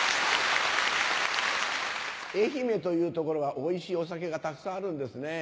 愛媛という所はおいしいお酒がたくさんあるんですね。